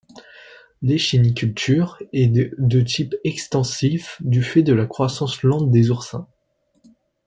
L'échiniculture est de type extensive, du fait de la croissance lente des oursins.